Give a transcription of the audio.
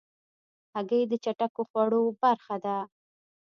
هګۍ د چټکو خوړو برخه ده.